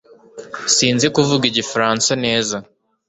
Sinzi kuvuga Igifaransa neza